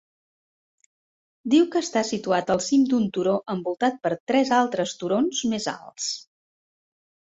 Diu que està situat al cim d'un turó envoltat per tres altres turons més alts.